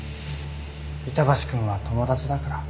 板橋くんは友達だから。